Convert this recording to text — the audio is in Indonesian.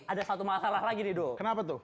ada satu masalah lagi nih dok kenapa tuh